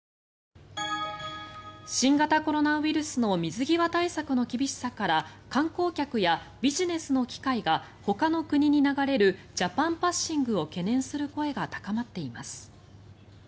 新型コロナウイルスの水際対策の厳しさから観光客やビジネスの機会がほかの国に流れるジャパン・パッシングを懸念する声が高まっています。